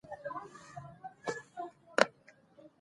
پر سړي باندي باران سو د لوټونو